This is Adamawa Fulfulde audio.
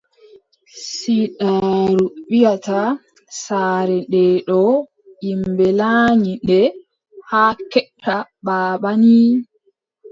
Siidaaru wiʼata, saare ndee ɗoo yimɓe laanyi nde, haa keɓta baaba nii,